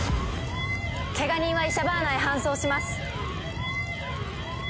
怪我人はイシャバーナへ搬送します。